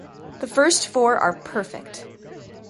The first four are perfect.